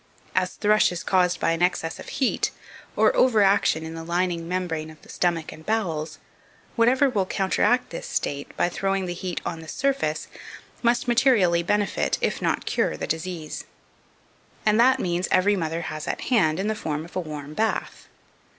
As thrush is caused by an excess of heat, or over action in the lining membrane of the stomach and bowels, whatever will counteract this state, by throwing the heat on the surface, must materially benefit, if not cure, the disease: and that means every mother has at hand, in the form of a warm bath.